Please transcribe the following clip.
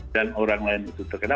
dan orang lain itu terkena